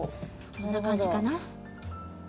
こんな感じかな？